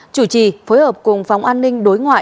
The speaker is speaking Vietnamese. chủ trì phối hợp cùng phóng an ninh đối ngoại